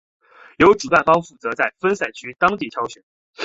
由主办方负责在分赛区当地挑选。